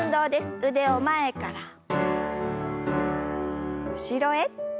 腕を前から後ろへ。